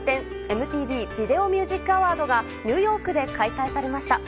ＭＴＶビデオ・ミュージック・アワードがニューヨークで開催されました。